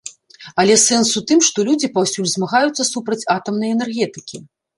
Але сэнс у тым, што людзі паўсюль змагаюцца супраць атамнай энергетыкі.